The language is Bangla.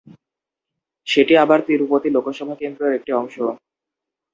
সেটি আবার তিরুপতি লোকসভা কেন্দ্রের একটি অংশ।